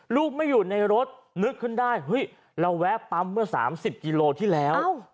ลูกไม่อยู่ในรถนึกขึ้นได้เฮ้ยเราแวะปั๊มเมื่อ๓๐กิโลที่แล้ว